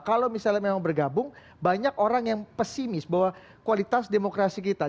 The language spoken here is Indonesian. kalau misalnya memang bergabung banyak orang yang pesimis bahwa kualitas demokrasi kita